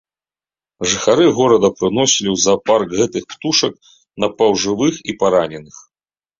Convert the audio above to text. Жыхары горада прыносілі ў заапарк гэтых птушак, напаўжывых і параненых.